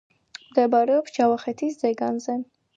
მდებარეობს ჯავახეთის ზეგანზე.